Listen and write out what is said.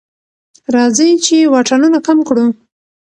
راځئ چې واټنونه کم کړو.